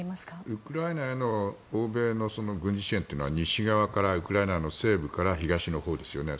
ウクライナへの欧米の軍事支援というのは西側からウクライナの東のほうですよね。